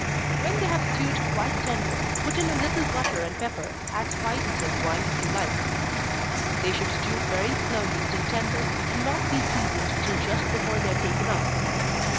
When they have stewed quite tender, put in a little butter and pepper add spices and wine if you like. They should stew very slowly till tender, and not be seasoned till just before they are taken up.